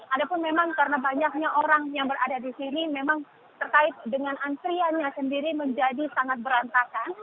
ada pun memang karena banyaknya orang yang berada di sini memang terkait dengan antriannya sendiri menjadi sangat berantakan